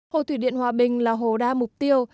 hồ thủy điện hòa bình là hồ đa mục tiêu